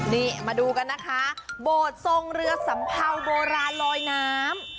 นี่มาดูกันนะคะโบสถ์ทรงเรือสัมเภาโบราณลอยน้ำ